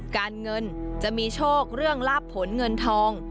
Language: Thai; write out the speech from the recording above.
การเงินจะมีโชคเรื่องลาบผลเงินทอง